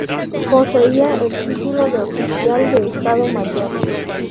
Poseía el título de oficial de Estado Mayor.